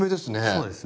そうですね。